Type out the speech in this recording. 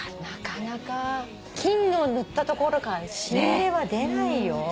なかなか金を塗ったところから新芽は出ないよ。